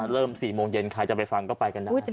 ๔โมงเย็นใครจะไปฟังก็ไปกันได้